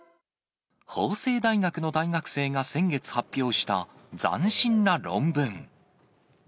法政大学の大学生が先月発表した、斬新な論文。